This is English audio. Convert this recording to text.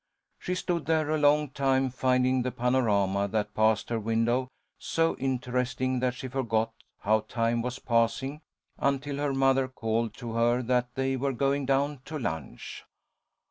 She stood there a long time, finding the panorama that passed her window so interesting that she forgot how time was passing, until her mother called to her that they were going down to lunch.